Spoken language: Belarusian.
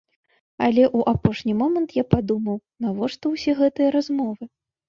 Але ў апошні момант я падумаў, навошта ўсе гэтыя размовы?